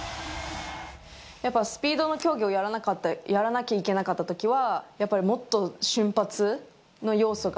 やっぱスピードの競技をやらなきゃいけなかったときは、やっぱりもっと瞬発の要素が。